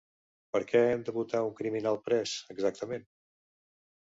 Per què hem de votar un criminal pres, exactament?